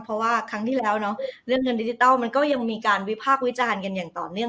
เพราะว่าครั้งที่แล้วเนาะเรื่องเงินดิจิทัลมันก็ยังมีการวิพากษ์วิจารณ์กันอย่างต่อเนื่อง